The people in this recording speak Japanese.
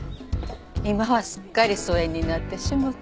今はすっかり疎遠になってしもて。